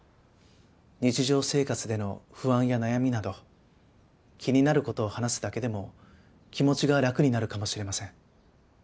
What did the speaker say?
日常生活での不安や悩みなど気になる事を話すだけでも気持ちが楽になるかもしれません。